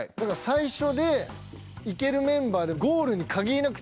最初でいけるメンバーで確かに。